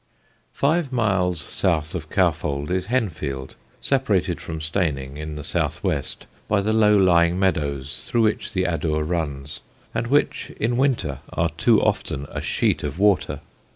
Five miles south of Cowfold is Henfield, separated from Steyning, in the south west, by the low lying meadows through which the Adur runs and which in winter are too often a sheet of water.